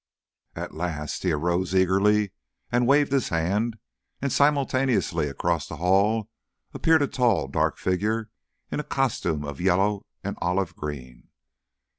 At last he rose eagerly and waved his hand, and simultaneously across the hall appeared a tall dark figure in a costume of yellow and olive green.